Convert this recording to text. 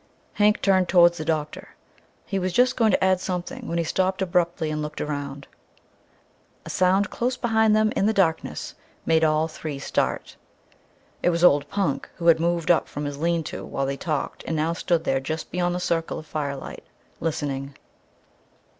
Hank turned towards the doctor. He was just going to add something when he stopped abruptly and looked round. A sound close behind them in the darkness made all three start. It was old Punk, who had moved up from his lean to while they talked and now stood there just beyond the circle of firelight listening.